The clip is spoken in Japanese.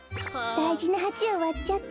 だいじなハチをわっちゃって。